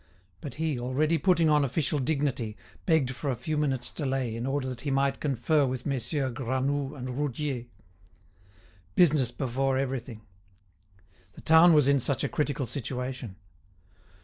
But he, already putting on official dignity, begged for a few minutes' delay in order that he might confer with Messieurs Granoux and Roudier. Business before everything. The town was in such a critical situation!